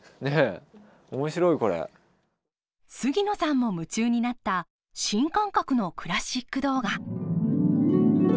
杉野さんも夢中になった新感覚のクラシック動画。